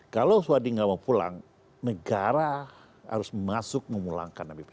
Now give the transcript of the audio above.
kalau swadhi tidak mau pulang negara harus masuk memulangkan habib rizik